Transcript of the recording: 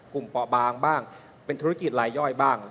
กลุ่มป่อบางบ้างเป็นธุรกิจลายย่อยบ้าง